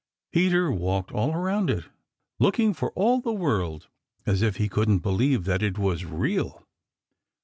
Peter walked all around it, looking for all the world as if he couldn't believe that it was real.